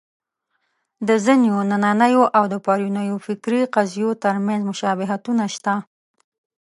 د ځینو نننیو او پرونیو فکري قضیو تر منځ مشابهتونه شته.